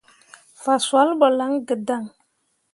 Fah swal ɓo lan gǝdaŋ.